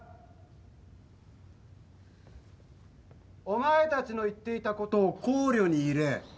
・お前たちの言っていたことを考慮に入れ